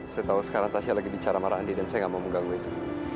saya tahu sekarang tasyah lagi bicara sama randi dan saya nggak mau mengganggu itu